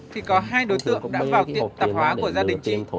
thì có hai đối tượng đã vào tiệm tạp hóa của gia đình chị